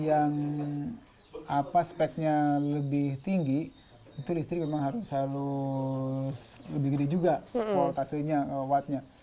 yang apa speknya lebih tinggi itu listrik memang harus lebih gede juga voltasenya wattnya